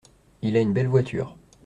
Il a une belle voiture.